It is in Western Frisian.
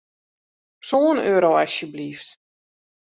Sân euro, asjeblyft.